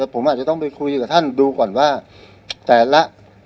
ผมอาจจะต้องไปคุยกับท่านดูก่อนว่าแต่ละ